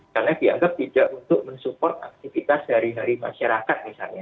karena dianggap tidak untuk mensupport aktivitas sehari hari masyarakat misalnya